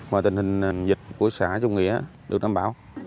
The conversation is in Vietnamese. mà tình hình dịch của xã trung nghĩa được đảm bảo